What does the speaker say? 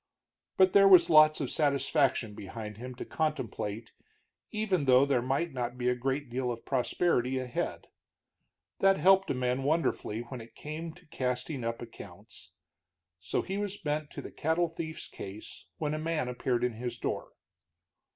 But there was lots of satisfaction behind him to contemplate even though there might not be a great deal of prosperity ahead. That helped a man wonderfully when it came to casting up accounts. So he was bent to the cattle thief's case when a man appeared in his door.